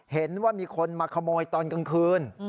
เห็นว่ามีคนมาขโมยตอนกลางคืน